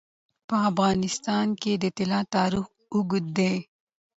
په افغانستان کې د طلا تاریخ اوږد دی.